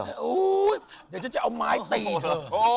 เดี๋ยวฉันจะเอาไม้ตีเธอ